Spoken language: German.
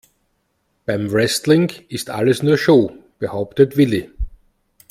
Beim Wrestling ist alles nur Show, behauptet Willi.